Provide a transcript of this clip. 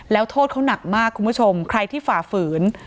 แล้วโทษเขาหนักมากคุณผู้ชมใครที่ฝ่าฝืน